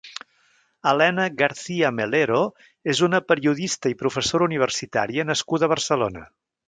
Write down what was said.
Helena Garcia Melero és una periodista i professora universitària nascuda a Barcelona.